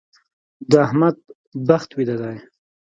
د احمد بخت ويده دی.